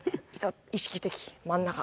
意識的真ん中